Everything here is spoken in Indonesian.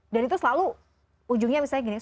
dan itu selalu ujungnya misalnya gini